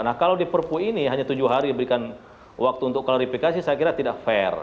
nah kalau di perpu ini hanya tujuh hari diberikan waktu untuk klarifikasi saya kira tidak fair